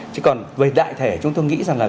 chứ còn về đại thể chúng tôi nghĩ là